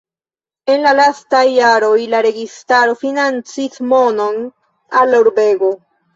En la lastaj jaroj la registaro financis monon al la urbego.